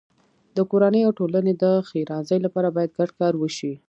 د کورنۍ او ټولنې د ښېرازۍ لپاره باید ګډ کار وشي.